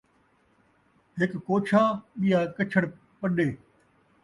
ہک کوچھا ، ٻیا کچھڑ پݙے